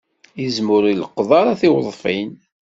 Izem ur ileqqeḍ ara tiweḍfin.